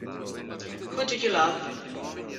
Who Do You Love?